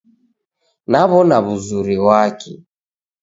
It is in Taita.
Naw'ona w'uzuri ghwake.